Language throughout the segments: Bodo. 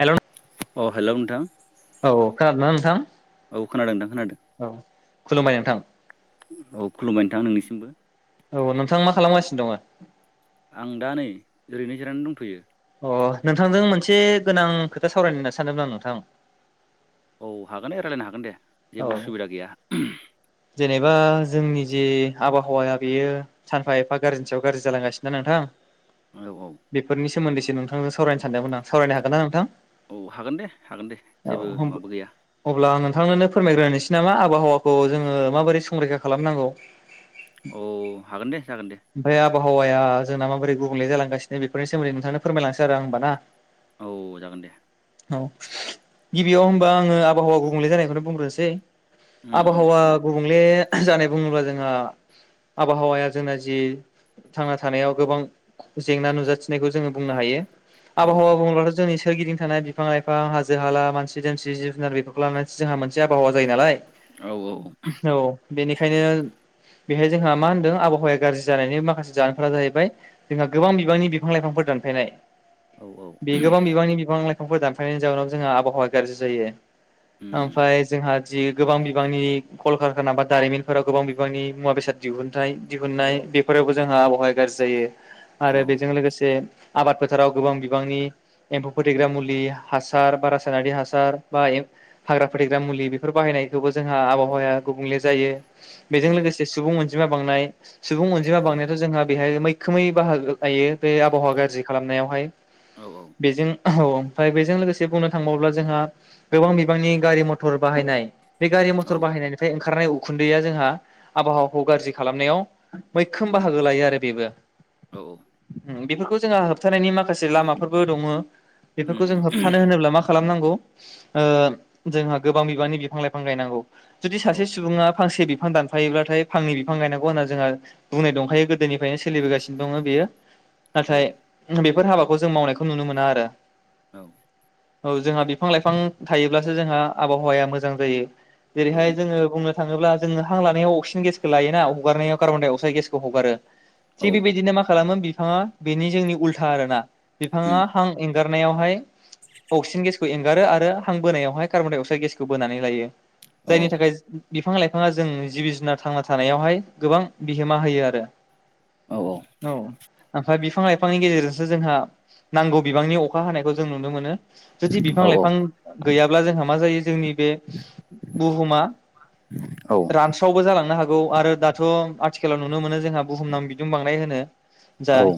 हेलौ नों अ हेलौ नोंथां औ खोनादों ना नोंथां? औ खोनादों थां खोनादों औ खुलुमबाय नोंथां औ खुलुमबाय नोंथां नोंसि औ नोंथां मा खालामगासिनो दङो आं दा नै ओरैनो जिरायनानै दंथ'यो। अ नोंथांजों मोनसे गोनां खोथा सावरायनो होनना सानदोंमोन आं नोंथां औ हागोन ए रायज्लायनो हागोन दे। औ जेबो उसुबिदा गैया। जेनेबा जोंनि जि आबहावाया बेयो सानफा एफा गाज्रिनि सायाव गाज्रि जालांगासिनो दा नोंथां औ औ बेफोरनि सोमोन्दै सि से नोंथांजों सावरायनो सानदोंमो आं सावरायनो हागोन ना नोंथां? औ हागोन दे हागोन दे जेबो औ माबा गैया अब्ला नोंथांनोनो फोरमायग्रोनोस नामा आबहावाखौ जोङो माबोरै संरैखा खालामनांगौ औ हागोन दे जागोन दे। ओमफ्राय आबहावाया जोंना माबोरै गुबुंले जालांगासिनो बेनि सोमोनदैोंथांनो फोरमायलांसै आरो आं होनबाना औ जागोन दे। औ गिबियाव होमबा आङो आबहावा गुबुंले जानायखौनो बुंग्रोनोसै। उम उम आबहावा दे गुबुंले जानाय बुङोब्ला जोंहा आबहावाया जोंना जि थांना थानायाव गोबां जेंना नुजाथिनायखौ जोङो बुंनो हायो। औ आबहावा बुङोब्लाथ' जोंनि सोरगिदिं थानाय बिफां लाइफां हाजो हाला मानसि दोमसि जिब जुनार बेफोरखौ लानानै जोंहा मोनसे आबहावा जायो नालाय औ औ औ बेनिखायनो बेहाय जोंहा मा होनदों आबहावाया गाज्रि जानायनि माखासे जानायफोरा जाहैबाय जोंहा गोबां बिबांनि बिफां लाइफांफोर दानफायनाय। औ औ बे गोबां बिबांनि बिफां लाइ फांफोर दानफायनायनि जाउनाव जोंहा आबहावाया गाज्रि जायो उम उम ओमफ्राय जोंहा जि गोबां बिबांनि कलकारखाना बा दारिमिनफोराव गोबां बिबांनि मुवा बेसाद दिहुनथाय दिहुननाय बेफोरावबो जोंहा आबहावाया गाज्रि जायो। औ आरो बेजों लोगोसे आबाद फोथाराव गोबां बिबांनि एम्फौ फोथैग्रा मुलि हासार बा रासायनारि हासार बा एम हाग्रा फोथेग्रा मुलि बेफोर बाहायनायखौबो जोंहा आबाव हाबहावाया गुबुंले जायो। औ बेजों लोगोसे सुबुं मोनसे जिमा बांनाय सुबुं अनजिमा औ बांनायाथ' जोंहा बेहाय मै खोमै बाहागो लायो बे आबहावा गाज्रि खालामनायावहाय। औ बेजों औ आमफ्राय बेजों लोगोसे बुंनो थांङोब्ला जोंहा गोबां बिबांनि गारि मथर बाहायनाय बे गारि औ बाहायनायनिफ्राय ओखारनाय उखुन्दैया जोंहा आबहावाखौ गाज्रि खालामनायाव मैखोम बाहागो लायो आरो बेबो औ बेफोरखौ जोंहा होबथानायनि माखासे लामाफोरबो दङ उम बेफोरखौ जों उम होबथानो होनोब्ला मा खालामनांगौ ओ जोंहा गोबां बिबांनि बिफां लाइफां गायनांगौ जुदि औ सासे सुबुङा फांसे बि बिफां दानफायोब्लाथाय फांनै बिफां गायनांगौ होनना जोंहा बुंनाय दंखायो गोदोनिफ्रायनो सोलिबोगासिनो दङ बेयो औ नाथाय बे बेफोर हाबाखौ जों मावनायखौ नुनो मोना आरो औ औ जोंहा बिफां लाइफां थायोब्लासो जोंहा आबहावाया मोजां जायो औ जेरैहाय जोङो बुंनो थाङोब्ला जोङो हां लानायाव अक्सिजेन गेसखौ लायोोना हगारनायाव कार्बन-डाइ-अक्साइड गेसखौ हगारो औ थिग बेबायदिनो मा खालामो बिफाङा बेनि जोंनि उल्था आरोना बिफाङा हां एंगार गारनायावहाय अक्सिजेन गेसखौ एंगारो आरो हां बोनायावहाय कार्बन डाइ अक्साइद गेसखौ बोनानै लायो जायनि थाखाय बिफां लाइफाङा जों जिबि जुनार थांना थानायावहाय गोबां बिहोमा होयो आरो औ ओमफ्राय बिफां लाइफांनि गेजेरजोंसो जोंहा नांगौ बिबांनि अखा हानायखौ जों नुनो मोनो जुदि बिफां औ लाइफां गैयाब्ला जोंहा मा जायो जोंनि बे बुहुमा औ रानस्रावबो जालांनो हागोन नौ आरो दाथ' आथिखालाव नुनो मोनो जोंहा बुहुमनाङैनो बिदुं बांनाय होनो जाय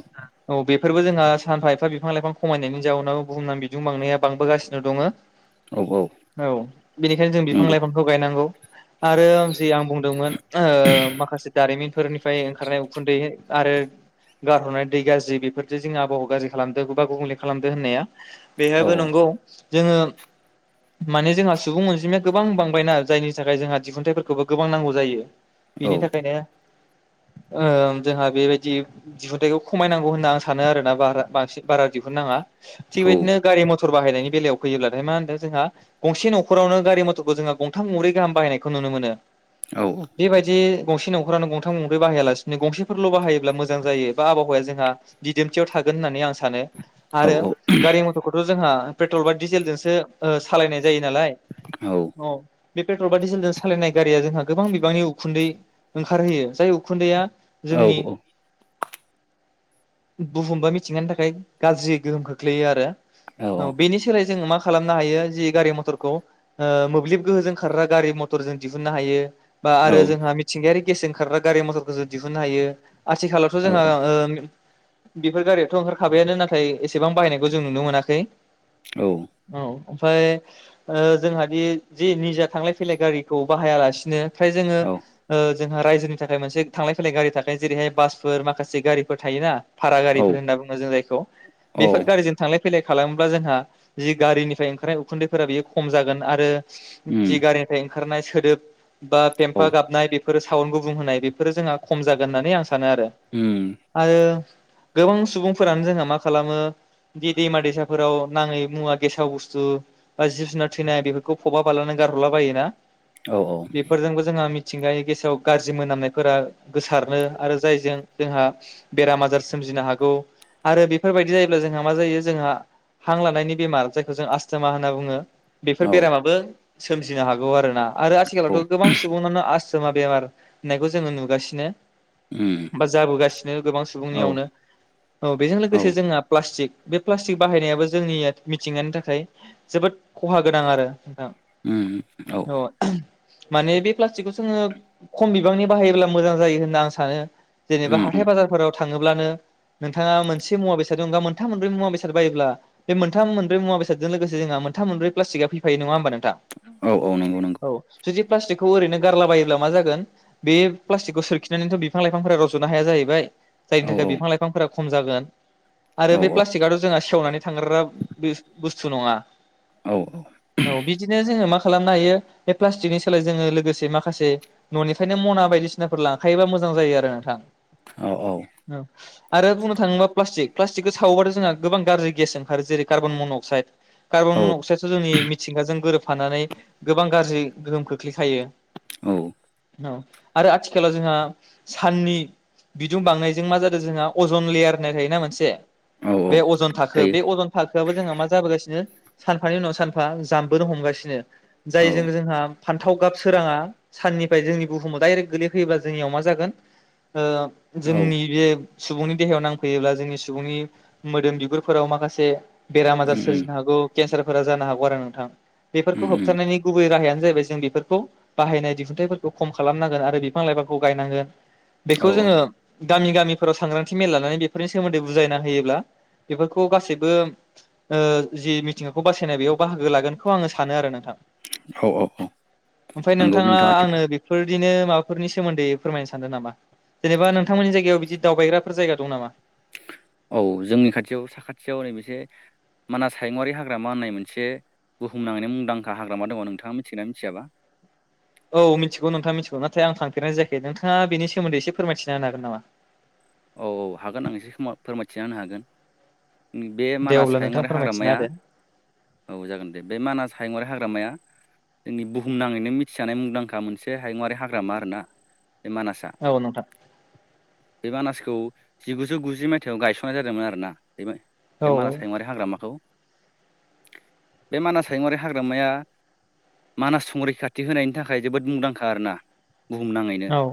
औ बे बेफोरबो जोंहा सानफा एफा बिफां लाइफां खमायनायनि जाउोननाव बुहुमनानै बिदुं बांनाया बांबोगासिनो दङो औ बेनिखायनो जों नंगौ बिफां लाइफांखौ गायनांगौ आरो आं जि आं बुंदोंमोन माखासे दारिमिन फोरनिफ्राय ओंखारनाय उखुन्दै आरो गारहरनाय दै गाज्रि बेफोरजों जों आबहावा गाज्रि खालामदों बा गुबुंले खालामदों होननाया औ बेहायाबो नंगौ जोङो माने जोंहा सुबुं अनजिमाया गोबां बांबायना जायनि थाखाय जोंहा दिहुनथाइफोरखौबो गोबां नांगौ जायो बेनि थाखायनो ओ जोंहा बेबायदि दिहुनथाइखौ खमायनांगौ होनना आं सानो आरोना बारा बांसिन बारा दिहुननाङा थिग बेबायदिनो गारि मथर बाहायनायनि बेलायाव फैयोब्लाथाय मा होनदों जों गंसे न'खरावनो गारि मथर थरखौ जोङा गंथाम गंब्रै गाहाम बाहायनायखौ नुनो मोनो बेबायदि गंसे न'खरानो गंथाम गंब्रै बाहायालासिनो गंसेफोरल' बाहायोब्ला मोजां जायो बा आबहावाया जोंहा दिदोमथियाव थागोन होननानै आं सानो सानो आरो गारि मथरखौथ' जोंहा पेट्रल बा डिजेलजोंसो ओ सालायनाय जायो नालाय बे पेट्रल बा डिजेलजों सालायनाय गारिया जोंहा गोबां बिबांनि उखुन्दै ओंखारहोयो जाय उखुन्दैआ औ औ बुहुमबा मिथिंगानि थाखाय गाज्रि गोहोम खोख्लैयो आरो औ बेनि सोलाय जोङो मा खालामनो हायो जि गारि मथरखौ मोब्लिब गोहोजों खारग्रा गारि मथर जों दिहुननो हायो बा आरो जोंहा मिथिंगायारि गेस जों खारग्रा गारि मथरखौ जों दिहुननो हायो आथिखालावथ' जोंहा ओ बेफोर गारियाथ' ओंखारखाबायानो नाथाय एसेबां बायनायखौ जों नुनो मोनाखै औ ओमफाय औ जोंहा बे जे निजा थांलाय फैलाय गारिखौ बाहायालासिनो फ्राय जोङो ओ जोंहा रायजोनि थाखाय मोनसे थांलाय फैलाय गारि थाखायो जेरैहाय बासफोर माखासे गारिफोर थायोना भारा औ गारिफोर होनना बुङो जों जायखौ बेफोर गारिजों थांलाय फैलाय खालामोब्ला जोंहा जि गारिनिफ्राय ओंखारनाय उखुन्दैफोरा बेयो खम जागोन आरो उम जि गारि निफ्राय ओंखारनाय सोदोब बा पेम्फा गाबनाय बे फोरो साउन गुबुं होनाय बेफोर जोंहा खम जागोन होनानै आं सानो सानो आरो औ आरो गोबां सुबुंफोरानो जोंहा मा खालामो दि दैमा दैसाफोराव नाङै मुवा गेसाव बुस्थु बा जिब जुनार थैनाय बेफोरखौ फबा बालानानै गारहरला बायो ना? औ बेफोरजोंबो जोंहा मि मिथिंगानि गेसाव गाज्रि मोनामनायफोरा गोसारनो आरो जायजों जोंहा बेराम आजार सोमजिनो हागौ आरो बेफोरबायदि जायोब्ला जोंहा मा जायो जोंहा हांलानायनि बेमार जायखौ जों आस्थोमा होनना बुङो। औ बेफोर बेरामाबो सोमजिनो हागौ आरोना। आरो आथिखालावथ' गोबां सुबुंनानो आस्थ थोमा बेमार होननायखौ जोङो नुगासिनो उम बा जाबोगासिनो गोबां औ उम औ सुबुंनियावनो औ बेजों लोगोसे जोंहा प्लास्टिक बे प्लास्टिक बाहायनायाबो जोंनिया मिथिंगानि थाखाय जोबोद खहा गोनां आरो उम औ माने बे प्लास्टिकखौ जोङो खम बिबांनि बाहायोब्ला मोजां जायो होनना आं सानो। जेनेबा उम हाथाय बाजारफोराव थाङोब्लानो नोंथाङा मोनसे मुवा बेसादनि अनगा मोनथाम मोनब्रै मुवा बेसाद बायोब्ला बे मोनथाम मोनब्रै मुवा बेसादजों लोगोसे जोंहा मोनथाम मोनब्रै प्लाटिकआ फैफायो नङा होमबा नों औ औ नंगौ नंगौ। जुदि प्लास्टिकखौ ओरैनो गारलाबायोब्ला मा जागोन बे प्लास्टिकखौ सोरखिनानैथ' बिफां लाइफांफोरा रज'नो हाया जाहैबाय जायनि औ थाखाय औ बिफां लाइफांफोरा खम जागोन आरो औ बे प्लास्टिकआथ' जोंहा सेवनानै थांगारग्रा बिस बुस्थु नङा औ औ बिदिनो जोङो मा खालामनो हायो बे प्लास्टिकनि सोलाय जोङो लोगोसे माखासे न'निफ्रायनो मना बायदिसिनाफोर लांखायोबा मोजां जायो आरो नोंथां। औ औ आरो बुंनो थाङोब्ला प्लास्टिक प्लास्टिकखौ सावोबा जोंहा गोबां गाज्रि गेस ओंखार जेरै कार्बन मन अक्साइड कार्बन औ मन' जोंनि मिथिंगाजों गोरोबफानानै गोबां गाज्रि गोहोम खोख्लैखायो। औ औ आरो आथिखालाव जोंहा साननि बिदुं बांनायजों मा जादों जोंहा अजन लेयार होननाय थायोना मोनसे औ बे औ अजन थाखो थायो बे अजन थाखोआबो जोंहा मा जाबोगासिनो सानफानि उनाव सानफा जाम्बोनो हमगासिनो औ जायजों जोंहा फान्थाव गाब सोराङा साननिफ्राय जोंनि बुहुमाव दडाइरेक्ट गोगलैफैयोबा जोंनियाव मा जागोन औ जोंनि बे सुबुंनि देहायाव नांफैयोब्ला जोंनि सुबुंनि मोदोम बिगुरफोराव माखासे। बेराम आजार उम उम सोरजिनो हागौ केन्सारफोरा जानो हागौ आरो नोंथां। बेफोरखौ उम उम होबथारानायनि गुबै राहायानो। जाहैबाय जों बेफोरखौ बाहायनाय दिहुनथाइफोरखौ खम खालामनांगोन आरो बिफां लाइफांखौ गायनांगोन। औ बेखौ जोंङो गामि गामिफोराव सांग्रांथि मेल लानानै बेफोरनि सोमोन्दै बुजायना होयोब्ला बेफोरखौ गासैबो ओ जि। खौ बासायनाय बेयाव बाहागो लागोनखौ आंङो सानो आरो नोंथां। औ औ औ ओमफाय नंगौ नोंथांङा नोंथाङा थिग आंनो बेफोर बिदिनो माबाफोरनि सोमोन्दै फोरमायनो सानदों नामा जेनेबा नोंथांमोननि जायगायाव बिदि दावबायग्राफोर जायगा दं नामा? औ जोंनि खाथियाव साखाथियाव नै मोनसे मानास हायमुआरारि हाग्रामा होननाय मोनसे बुहुम नाङैनो मुंदांखा हाग्रामा दनङ नोंथांङा मिथिगोनना मिथियाबा। औ मिथिगौ नोंथां मिथिगौ नाथाय आं थांफेरनाय जायाखै नोंथांङा बेनि सोमोन्दै एसे फोरमायथिना होनो हागोन नामा औ औ हागोन आं एसे खा फोरमायथिना होनो हागोन बे दे मानास अब्ला नोंथां हाहुंङारि फोरमायथिना हाग्रामाया होदो औ जागोन दे बे मानास। हायुङारि हाग्रामाया जोंनि बुहुमनाङैनो मिथिजानाय मुंदांखा मोनसे हाहुंङारि हाग्रामा आरोना मानासा औ नोंथां मानासखौ खौ जिगुजौ गुजि मायथाइयाव गायसननाय जादोंमोन आरो ना । बे औ मानास हायुंङारि हाग्रामाखौ बे मानास हायुंङारि हाग्रामाया मानास संरैखाथि होनायनि थाखाय जोबोद मुंदांखा आरोना। बुहुमनांङैनो औ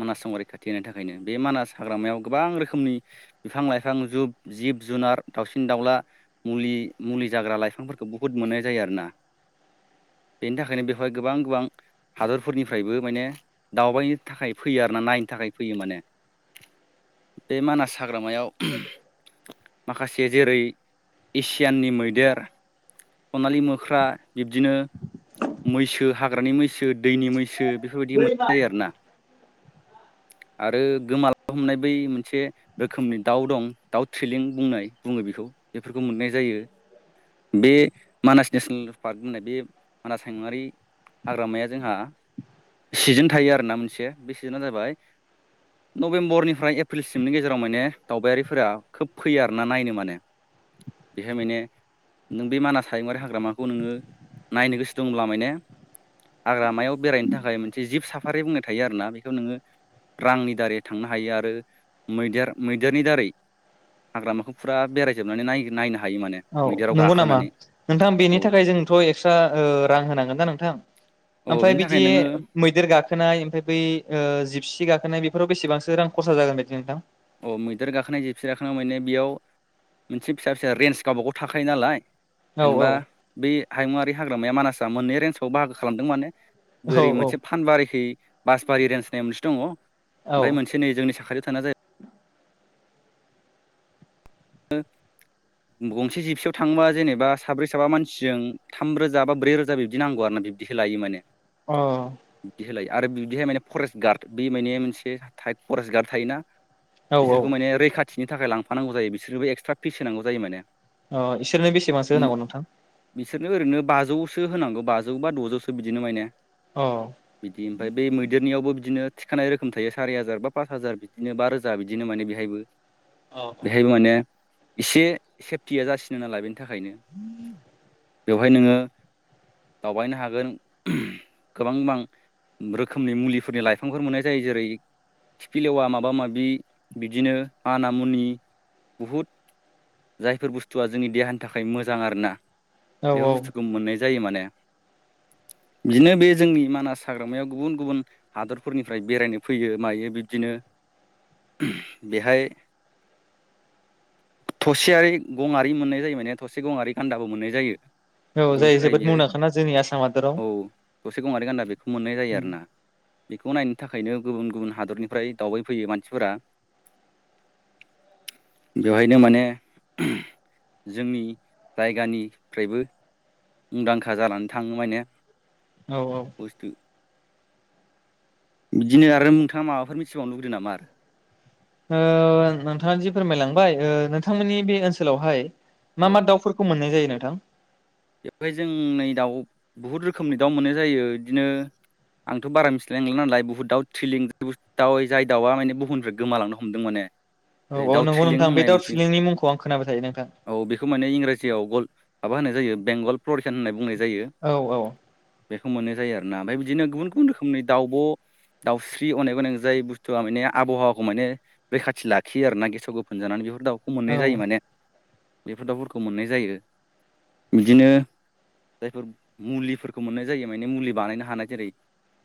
मानास महरै रैखाथि होननि थाखायनो बे मानास हाग्रामायाव गोबां रोखोमनि बिफां-लाइफां जुब-जिब जुनार दाउसिन-दाउला मुलि-मुलि जाग्रा लाइफांफोरखौ बुहुद मोननाय जायो आरोना बेनि थाखायनो बेवहाय गोबां- गोबां हादरफोरनिफ्रायबो माने दावबायनि थाखाय फैयो आरोना नायनो थाखाय फैयो माने। बे मानास हाग्रामायाव माखासे जेरै एसियाननि मैदेर सनालि मोख्रा बिब्दिनो मैसो हाग्रानि मैसो। दैनि मैसो बेफोरबायदि मोननाय जायो आरोना आरो गोमा लांनो हमनाय बै मोनसे रोखोमनि दाउ दं दाउ थिलिं बुंनाय बुंङो बेखौ बेफोरखौ मोननाय जायो बे। मानास नेसनेल पार्क होननाय बे मानास हायुंऔऔङारि हाग्रामाया जोंहा सिजोन थायो आरोना मोनसे बे सिजोनआ जाबाय नभेम्बरनिफ्राय एप्रिलसिमनि गेजेराव माने दावबायारिफोरा खोब फैयो आरोना नायनो माने बेहाय माने नों बे मानास । हायुंङारि हाग्रामाखौ नोंङो नायनो गोसो दंब्ला माने हाग्रामायाव बेरायनो थाखाय मोनसे जिब साफारि बुंनाय थायो आरोना बेखौ नोंङो रांनि दारै थांनो हायो आरो मैदेर मैदेरनि दारै हाग्रामाखौ फुरा बेरायजोबनानै नायनो । हायो माने औ मैदेराव नंगौ नामा गाखोनानै नोंथां औ बेनि थाखाय जोंथ‌ एकस्रा ओ रां होनांगोन दा नोंथां औ ओमफाय बेनि थाखाय बिदि नोङो मैदेर गाखोनाय ओमफाय बै जिबसि थि गाखोनाय बेफोराव बेसेबांसो रां खरसा जागोन बायदि नोंथां? अ मैदेर गाखोनाय जिबसि गाखोना माने बेयाव मोनसे फिसा फिसा रेन्स गावबागाव थाखायो नालाय। औ औ जेनेबा बे हायुंङारि हाग्रामाया मानासा मोननै रेन्सावआव बाहागो खालामदों माने। औ बोरै मोनसे फानबारिखै बासबारि रेन्सनि मोनसे दंङ ओमफाय औ मोनसे नै जोंनि साखा थानो जाय गंसे जिपसियाव थांङोबा जेनेबा साब्रै साबा मानसिजों थाम रोजा बा ब्रै रोजा बिब्दि नांगौ आरो ना बिब्दिखौ लायो माने । अ खो लायो आरो बिहाय माने फरेस्ट गार्ड बे माने मोनसे फरेस्ट गार्ड थायोना अ औ औ बिसोरखौ माने रैखा थिनि थाखाय लांफानांगौ जायो बिस बिसोरबो एक्सट्रा फिस होनांगौ जायो माने अ इसोरनो बेसेबांसो उम होनांगौ नोंथां? बिसोरनो ओरैनो बाजौसो होनांगौ बाजौ बा द'जौसो बिदिनो मायने। अ बिदि ओमफाय बेै मैदेरनियावबो बिदिनो थिखानाय रोखोम थायो सारि हाजार बा पास हाजार बिदिनो बा रोजा बिदिनो माने बेहायबो औ बेहायबो माने एसे सेफटिया जासिनो नालाय बे नि थाखायनो बेवहाय नोंङो दावबायनो हागोन गोबां गोबां रोखोमनि मुलिफोरनि लाइफांफोर मोननाय जायो जेरै खिफिलेवा माबा माबि बिदिनो माना मुनि बुहुद जायफोर बुस्थुआ जोंनि देहानि थाखाय मोजां आरोना औ बेफोर बुस्थुखौ मोननाय जायो माने बिदिनो बे जोंनि मानास हाग्रामायाव गुबुन गुबुन हादरफोरनिफ्राय बेरायनो फैयो मायो बिब्दिनो बेहाय थसेयारि गंयारि मोननाय जायो माने थसे गंयारि गान्दाबो मोननाय जायो । औ जायो जोबोद मुंदांखाना जोंनि आसाम हादोराव औ थसे गंयारि गान्दा बे मोननाय जायो आरो ना। बेखौ नायनो थाखायनो गुबुन गुबुन हादरनिफ्राय दावबायफैयो मानसिफोरा बेवहायनो माने जोंनि जायगानिफ्रायबो मुंदांखा जानानै थांङो माने औ औ बुस्थु बिदिनो आरो नोंथांङा माबाफोर मिथिबावनो लुगैदों नामा आरो नोंथांङा जि फोरमायलांबाय नोंथांमोननि बे ओनसोलावहाय मा औ मा दाउफोरखौ मोननाय जायो? नोंथां बेवहाय जों नै दाउ बुहुद रोखोमनि दाउ मोननाय जायो बिदिनो आंथ' बारा मिथिलायलांला नालाय बुहुद दाउ थिलिं दाउ जाय दाउआ माने बुहुमनिफ्राय गोमालांनो हमदों माने औ । औ नंगौ दाउथ्रिलिं नोंथां बे होननाय दाउ मोनसे थुलेंनि मुंखौ आं खोनाबाय थायो नोंथां औ बेखौ माने इंराजियाव गल माबा होनाय जायो । बेंगल प्ररिखान होननाय बुंनाय औ औ बेखौ मोननाय जायो आरोना ओमफ्राय बिदिनो गुबुन गुबुन रोखोमनि दाब' दाउस्रि अनेक अनेक जाय बुस्थुआ माने आबहावाखौ माने रैखाथि लाखियो आरोना गेसाव गोफोन जानानै बे दाउखौ मोननाय औ जायो माने बेफोर दाउफोरखौ मोननाय जायो। बिदिनो जायफोर मुलिफोरखौ मोननाय जायो माने मुलि बानायनो हानाय जेरै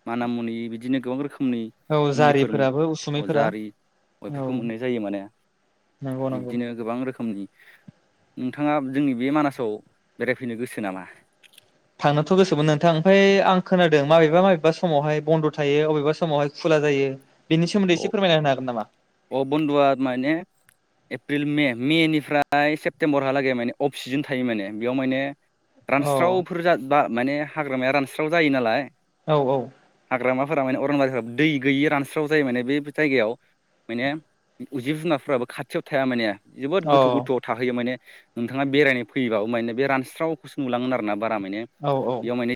माना मुनि बिदिनो गोबां रोखोम रोखोमनि औ मुलिफोर जारिफोराबो अजा उसुमैफोरा आरि औ बेफोरखौ मोननाय जायो माने नंगौ नंगौ बिब्दिनो गोबां रोखोम रोखोमनि नोंथाङा जोंनि बे मानासाव बेरायफैनो गोसो नामा? थांनोथ' गोसोमोन नोंथां ओमफ्राय आं खोनादों माबेबा माबेबा समावहाय बन्द' थायो बबेबा समावहाय खुला जायो। बे सोमोन्दै अ एसे फोरमाय होनो हागोन नामा? अ बन्द'आ माने एप्रिल मे मेनिफ्राय सेप्तेम्बरहालागै माने अफ सिजोन थायो माने बेयाव माने औ रानस्रावफोरजा बा माने हाग्रामाया रानस्राव जायो नालाय औ औ हाग्रामाफोरा माने अरनबारिफोरा दै गैयि रानस्राव जायो माने बेफोर जायगायाव। माने जि जिब जुनारफोराबो खाथियाव थाया माने। जोबोद औ गोथौ गोथौआव थाहैयो माने नोंथाङा बेरायनो फैयोबाबो माने बे रानस्रावखौसो नुलांगोन आरो ना बारा माने औ औ बेयाव माने